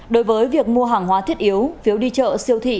đối với việc mua hàng hóa thiết yếu đi chợ siêu thị